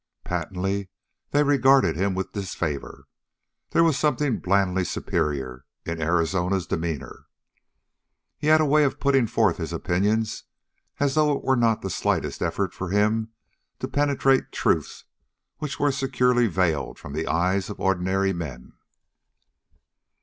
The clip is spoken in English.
Patently they regarded him with disfavor. There was something blandly superior in Arizona's demeanor. He had a way of putting forth his opinions as though it were not the slightest effort for him to penetrate truths which were securely veiled from the eyes of ordinary men.